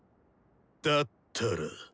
だったら。